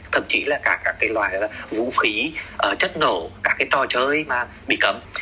thậm chí là cả các cái loại vũ khí chất nổ cả cái trò chơi mà bị cấm